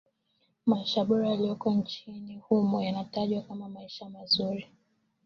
Maisha bora yaliyoko nchini humo yanatajwa kama maisha mazuri